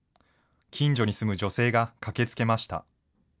近所に住む女性が駆けつけました。